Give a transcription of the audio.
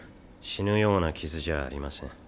死ぬような傷じゃありません。